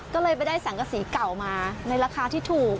ก็เลยไปได้สังกษีเก่ามาในราคาที่ถูก